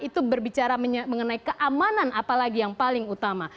itu berbicara mengenai keamanan apalagi yang paling utama